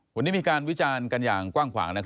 วันนี้มีการวิจารณ์กันอย่างกว้างขวาง